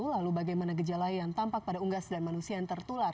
lalu bagaimana gejala yang tampak pada unggas dan manusia yang tertular